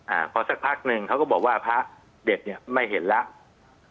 อ่าพอสักพักหนึ่งเขาก็บอกว่าพระเด็ดเนี้ยไม่เห็นแล้ว